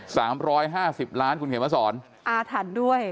สามร้อยห้าสิบล้านคุณเขียนมาสอนอาถรรพ์ด้วย